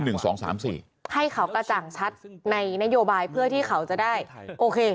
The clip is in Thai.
ให้เขากระจ่างชัดในนโยบายเพื่อที่เขาจะได้โอเค